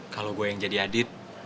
kalau gue yang jadi adit